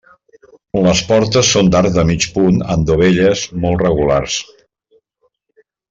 Les portes són d'arc de mig punt amb dovelles molt regulars.